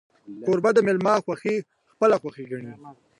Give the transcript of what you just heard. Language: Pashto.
کوربه د میلمه خوښي خپله خوښي ګڼي.